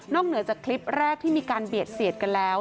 เหนือจากคลิปแรกที่มีการเบียดเสียดกันแล้ว